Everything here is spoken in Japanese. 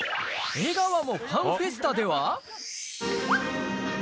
江川もファンフェスタでは。